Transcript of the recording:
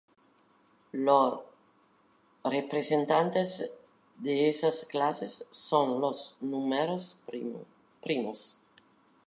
Los representantes de esas clases son los números primos.